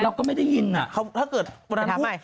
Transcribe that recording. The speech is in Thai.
เราก็ไม่ได้ยินถ้าเกิดวันนั้นพูด